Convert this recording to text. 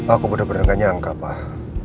aku bener bener nggak nyangka pak